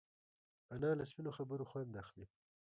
انا له سپینو خبرو خوند اخلي